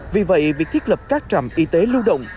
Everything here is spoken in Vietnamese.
vì vậy việc thiết lập các trạm y tế lưu động